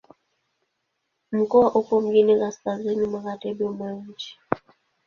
Mkoa upo mjini kaskazini-magharibi mwa nchi.